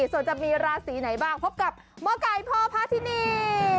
ส่วนจะมีราศีไหนบ้างพบกับหมอไก่พ่อพาทินี